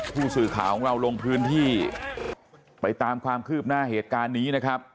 ผู้สื่อข่าวของเราลงพื้นที่ไปตามความคืบหน้าเหตุการณ์นี้นะครับ